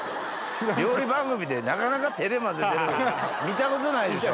料理番組でなかなか手で混ぜてるの見たことないでしょ。